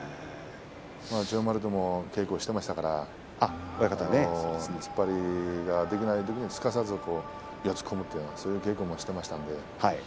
まだ千代丸とも稽古をしていましたから突っ張りができないときにはすかさず四つに組むというそういう稽古もしていましたので。